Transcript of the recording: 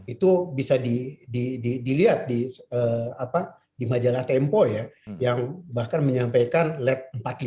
itu bisa dilihat di majalah tempo ya yang bahkan menyampaikan lab empat puluh lima